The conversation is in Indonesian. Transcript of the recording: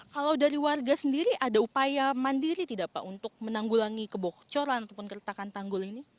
kalau dari warga sendiri ada upaya mandiri tidak pak untuk menanggulangi kebocoran ataupun keretakan tanggul ini